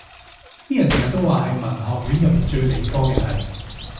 啲人成日都話係文學院入面最理科嘅系